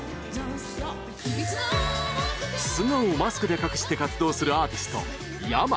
素顔をマスクで隠して活動するアーティストｙａｍａ。